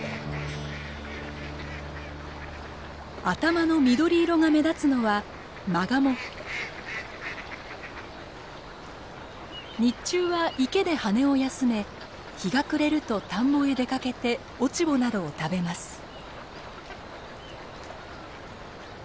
頭の緑色が目立つのは日中は池で羽を休め日が暮れると田んぼへ出かけて落ち穂などを食べます。